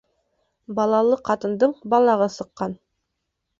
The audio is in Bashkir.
Балалы ҡатындың балағы сыҡҡан.